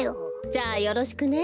じゃあよろしくね。